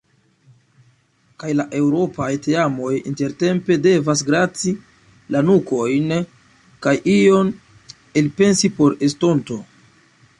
Kaj la eŭropaj teamoj intertempe devas grati la nukojn kaj ion elpensi por estonto.